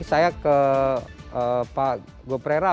saya ke pak goprera